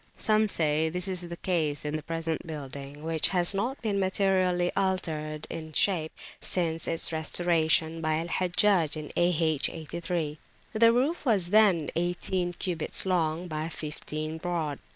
Some say this is the case in the present building, which has not been materially altered in shape since its restoration by Al Hajjaj, A.H. 83. The roof was then eighteen cubits long by fifteen broad.